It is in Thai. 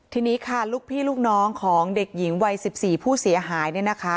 ทีนี้ค่ะลูกพี่ลูกน้องของเด็กหญิงวัย๑๔ผู้เสียหาย